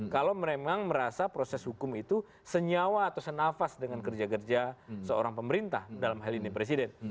kalau memang merasa proses hukum itu senyawa atau senafas dengan kerja kerja seorang pemerintah dalam hal ini presiden